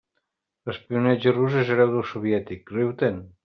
L'espionatge rus és hereu del soviètic; riu-te'n!